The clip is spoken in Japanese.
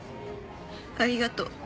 ありがとう。